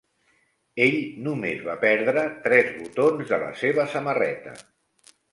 Ell només va perdre tres botons de la seva samarreta.